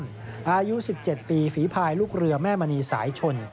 อายุ๑๗ปีฝีภายลูกเรือแม่มณีสายชน